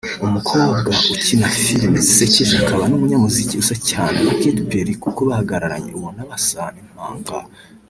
umukobwa ukina filimi zisekeje akaba n’umunyamuziki usa cyane na Katy Perry kuko bahagararanye ubona basa n’impanga